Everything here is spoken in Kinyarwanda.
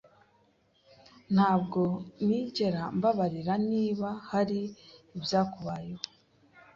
Ntabwo nigera mbabarira niba hari ibyakubayeho.